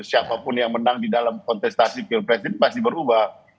siapapun yang menang di dalam kontestasi pilpres ini pasti berubah